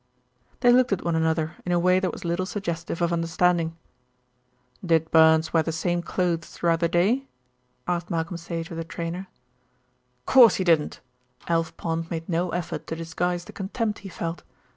They looked at one another in a way that was little suggestive of understanding. "Did Burns wear the same clothes throughout the day?" asked Malcolm Sage of the trainer. "Course he didn't!" Alf Pond made no effort to disguise the contempt he felt.